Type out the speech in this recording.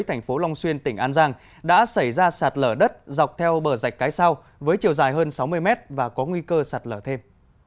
thành phố long xuyên tỉnh an giang đã xảy ra sạt lở đất dọc theo bờ rạch cái sao với chiều dài hơn sáu mươi mét và có nguy cơ sạt lở thêm